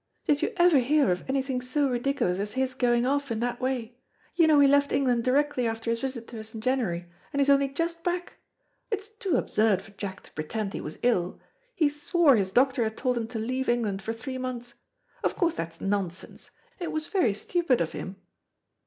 Did you ever hear of anything so ridiculous as his going off in that way. You know he left England directly after his visit to us in January, and he's only just back. It's too absurd for Jack to pretend he was ill. He swore his doctor had told him to leave England for three months. Of course that's nonsense. It was very stupid of him."